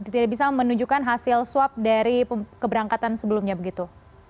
tidak bisa menunjukkan hasil swab dari keberangkatan sebelumnya begitu